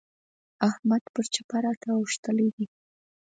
احمد پر چپه راته اوښتلی دی.